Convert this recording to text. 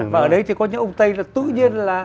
và ở đấy thì có những ông tây là tự nhiên là